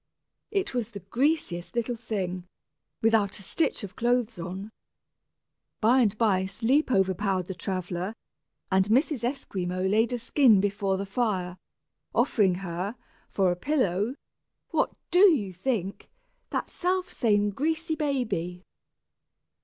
It was the greasiest little thing, without a stitch of clothes on! By and by, sleep overpowered the traveller, and Mrs. Esquimaux laid a skin before the fire, offering her, for a pillow, what do you think? that self same greasy baby!